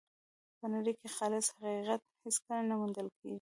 په نړۍ کې خالص حقیقت هېڅکله نه موندل کېږي.